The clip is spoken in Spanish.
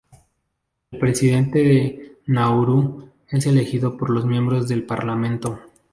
El Presidente de Nauru es elegido por los miembros del Parlamento.